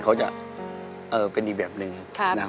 เขาจะเป็นอีกแบบหนึ่งนะครับ